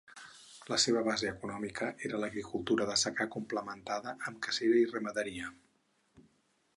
La seva base econòmica era l'agricultura de secà complementada amb cacera i ramaderia.